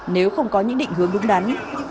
nếu không có những định hướng đúng đắn